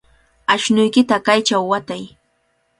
Ashnuykita kaychaw watay.